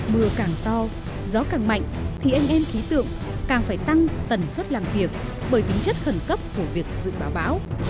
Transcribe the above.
mưa càng to gió càng mạnh thì anh em khí tượng càng phải tăng tần suất làm việc bởi tính chất khẩn cấp của việc dự báo bão